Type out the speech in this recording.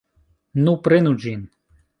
Nu, prenu ĝin!